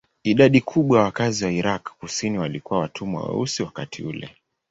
Idadi kubwa ya wakazi wa Irak kusini walikuwa watumwa weusi wakati ule.